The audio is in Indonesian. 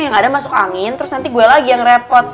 yang gak ada masuk angin terus nanti gue lagi yang repot